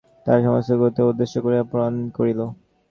তার পর সমস্ত গুরুজনদের উদ্দেশ করিয়া প্রণাম করিল।